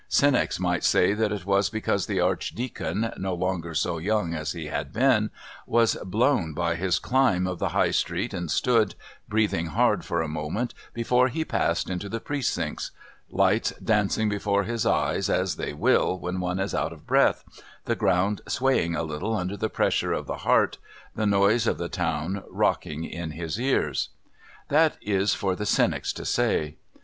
Cynics might say that it was because the Archdeacon, no longer so young as he had been, was blown by his climb of the High Street and stood, breathing hard for a moment before he passed into the Precincts, lights dancing before his eyes as they will when one is out of breath, the ground swaying a little under the pressure of the heart, the noise of the town rocking in the ears. That is for the cynics to say.